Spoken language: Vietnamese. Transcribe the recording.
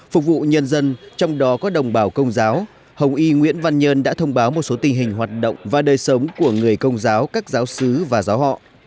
phục vụ nhân dân trong đó có đồng bào công giáo hồng y nguyễn văn nhơn đã thông báo một số tình hình hoạt động và đời sống của người công giáo các giáo sứ và giáo họ